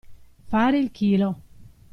Fare il chilo.